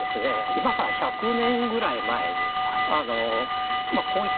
今から１００年ぐらい前にあのこういった。